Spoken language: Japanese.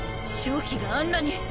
瘴気があんなに！